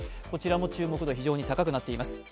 こちらも注目度、非常に高くなっています。